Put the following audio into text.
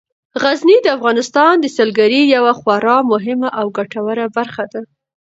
غزني د افغانستان د سیلګرۍ یوه خورا مهمه او ګټوره برخه ده.